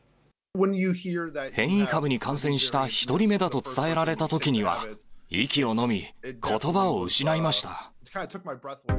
変異株に感染した１人目だと伝えられたときには、息をのみ、ことばを失いました。